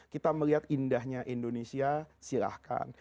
kita melihat indahnya indonesia silahkan